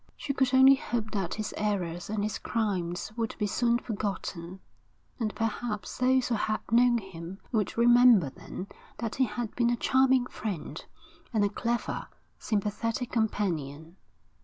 She could only hope that his errors and his crimes would be soon forgotten; and perhaps those who had known him would remember then that he had been a charming friend, and a clever, sympathetic companion.